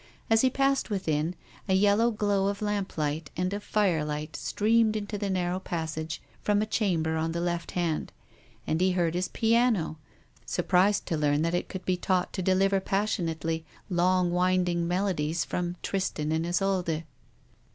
As he passed within, a yellow glow of lamplight and of firelight streamed into the narrow passage from a chamber on the left hand, and he heard his piano, surprised to learn that it could be taught todeliverpassionately long winding melodies from Tristan and Isolde. 8 TONGUES OF CONSCIENCE.